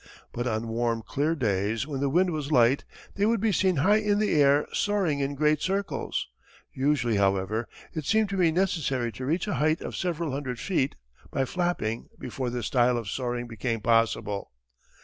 But on warm clear days when the wind was light they would be seen high in the air soaring in great circles. Usually, however, it seemed to be necessary to reach a height of several hundred feet by flapping before this style of soaring became possible.